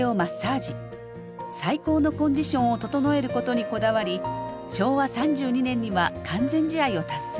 最高のコンディションを整えることにこだわり昭和３２年には完全試合を達成。